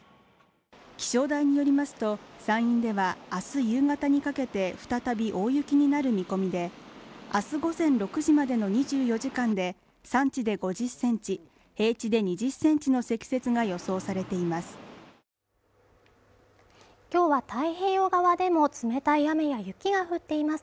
気象台によりますと山陰ではあす夕方にかけて再び大雪になる見込みであす午前６時までの２４時間で山地で５０ｃｍ平地で２０ｃｍの積雪が予想されています